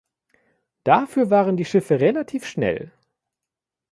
Dafür waren die Schiffe relativ schnell.